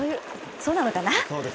そうなのかな？